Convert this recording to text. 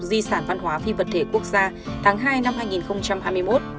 di sản văn hóa phi vật thể quốc gia tháng hai năm hai nghìn hai mươi một